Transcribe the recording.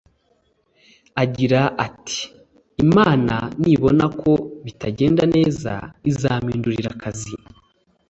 Agira ati “(Imana) Nibona ko bitagenda neza izampindurira akazi